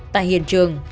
tại hiện trường